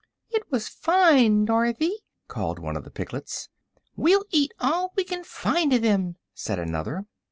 "It was fine, Dorothy," called one of the piglets. "We'll eat all we can find of them," said another.